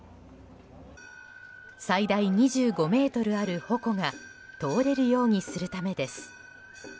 最大２５ｍある鉾が通れるようにするためです。